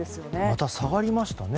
また下がりましたね